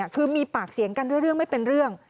คือมีปากเสียงกันด้วยเรื่องไม่เป็นเรื่อง